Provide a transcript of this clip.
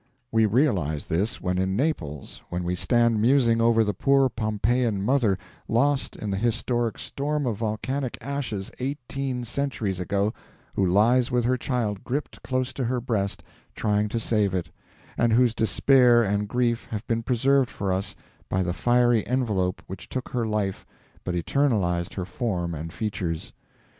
We realize this when in Naples we stand musing over the poor Pompeian mother, lost in the historic storm of volcanic ashes eighteen centuries ago, who lies with her child gripped close to her breast, trying to save it, and whose despair and grief have been preserved for us by the fiery envelope which took her life but eternalized her form and features.